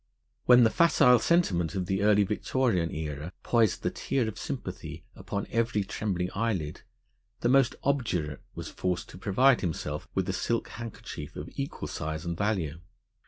When the facile sentiment of the Early Victorian Era poised the tear of sympathy upon every trembling eyelid, the most obdurate was forced to provide himself with a silk handkerchief of equal size and value.